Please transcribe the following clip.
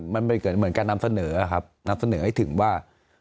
มันเกิดเหมือนการนำเสนอครับนำเสนอให้ถึงว่า